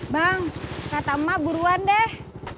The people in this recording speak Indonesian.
bang kata emak buruan deh